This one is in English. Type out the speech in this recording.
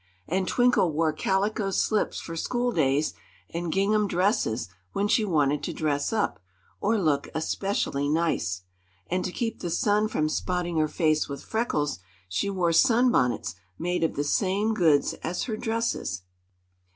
And Twinkle wore calico slips for school days and gingham dresses when she wanted to "dress up" or look especially nice. And to keep the sun from spotting her face with freckles, she wore sunbonnets made of the same goods as her dresses.